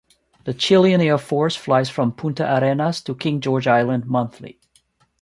The Chilean Air Force flies from Punta Arenas to King George Island monthly.